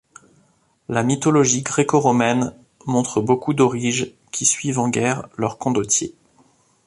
La mythologie gréco-romaine montre beaucoup d'auriges qui suivent en guerre leurs condottiers.